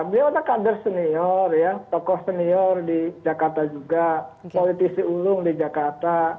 beliau adalah kader senior ya tokoh senior di jakarta juga politisi ulung di jakarta